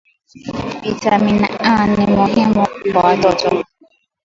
viatamin A ni muhimu kwa watoto